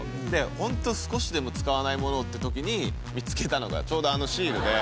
本当、少しでも使わないものをってときに、見つけたのがちょうどあのシールで。